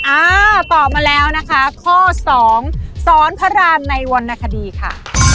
อ่าตอบมาแล้วนะคะข้อสองสอนพระราณในวรรณคดีค่ะ